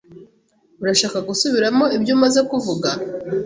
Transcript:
Urashaka gusubiramo ibyo umaze kuvuga?